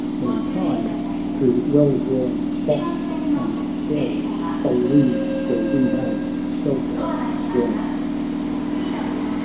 Meantime, through well known bosk and dell, I'll lead where we may shelter well."